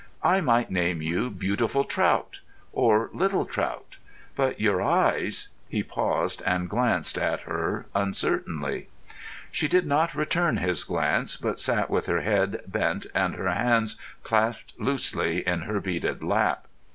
I might name you Beautiful Trout, or Little Trout—but your eyes——" He paused and glanced at her uncertainly. She did not return his glance, but sat with her head bent and her hands clasped loosely in her beaded lap.